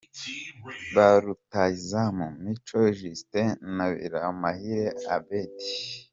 Ba rutahizamu: Mico Justin na Biramahire Abeddy.